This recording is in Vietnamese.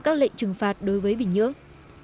các lệnh trừng phạt đối với bình nhưỡng